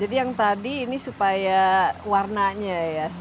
jadi yang tadi ini supaya warnanya ya